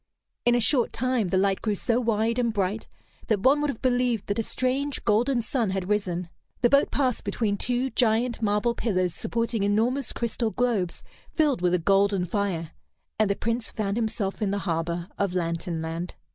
In a short time the light grew so wide and bright that one would have believed that a strange, golden sun had risen. The boat passed between two giant marble pillars supporting enormous crystal globes filled with a golden fire, and the Prince found himself in the harbor of Lantern Land.